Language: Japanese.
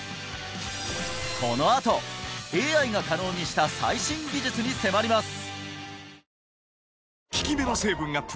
このあとＡＩが可能にした最新技術に迫ります！